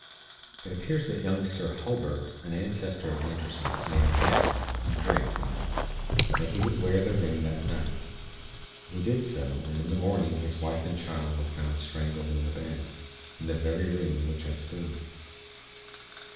"It appears that young Sir Hulbert, an ancestor of Anderson's, made a bet, in drink, you know, that he would wear the ring that night. He did so, and in the morning his wife and child were found strangled in the bed, in the very room in which I stood.